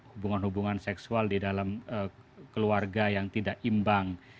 hubungan hubungan seksual di dalam keluarga yang tidak imbang